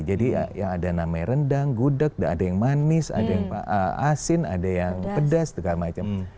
jadi yang ada namanya rendang gudeg ada yang manis ada yang asin ada yang pedas segala macam